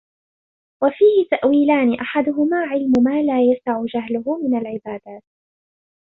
وَفِيهِ تَأْوِيلَانِ أَحَدُهُمَا عِلْمُ مَا لَا يَسَعُ جَهْلُهُ مِنْ الْعِبَادَاتِ